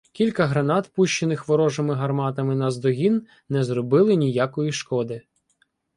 Кілька гранат, пущених ворожими гарматами наздогін, не зробили ніякої шкоди.